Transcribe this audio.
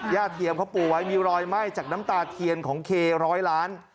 เทียมเขาปูไว้มีรอยไหม้จากน้ำตาเทียนของเคร้อยล้าน